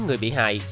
người bị hại